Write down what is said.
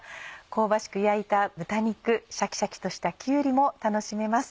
香ばしく焼いた豚肉シャキシャキとしたきゅうりも楽しめます。